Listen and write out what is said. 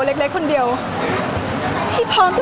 พี่ตอบได้แค่นี้จริงค่ะ